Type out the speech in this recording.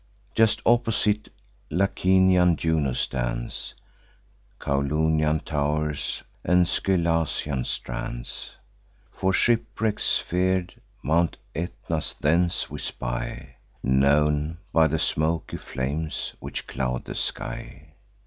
Just opposite, Lacinian Juno stands; Caulonian tow'rs, and Scylacaean strands, For shipwrecks fear'd. Mount Aetna thence we spy, Known by the smoky flames which cloud the sky.